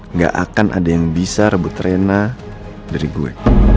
nggak akan ada yang bisa rebut rena dari gue